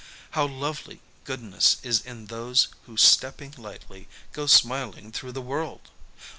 How lovely goodness is in those who, stepping lightly, go smiling through the world!